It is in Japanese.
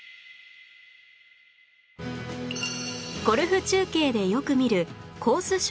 ゴルフ中継でよく見るコース